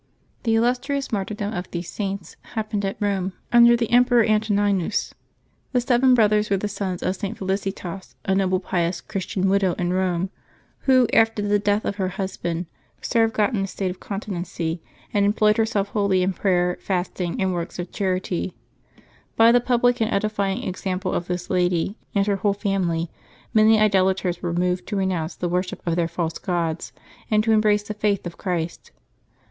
CHE illustrious martyrdom of these Saints happened at Eome, under the Emperor Antoninus. The seven brothers were the sons of St. Felicitas, a noble, pious. Christian widow in Rome, who, after the death of her hus band, served God in a state of continency and employed herself wholly in prayer, fasting, and works of charity. By the public and edifying example of this lady and her whole family many idolaters were moved to renounce the worship of their false gods, and to embrace the Faith of Christ.